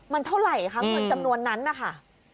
มันเท่าไรคะเหมือนจำนวนนั้นอะค่ะ